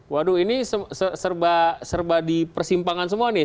waduh ini serba di persimpangan semua nih